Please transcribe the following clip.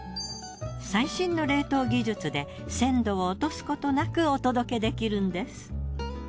最新の冷凍技術で鮮度を落とすことなくお届けできるんです。